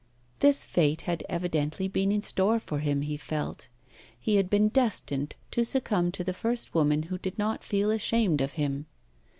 This fate had evidently been in store for him, he felt; he had been destined to succumb to the first woman who did not feel ashamed of him.